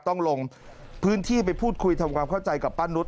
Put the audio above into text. ต้องลงพื้นที่ไปพูดคุยทำความเข้าใจกับป้านุษ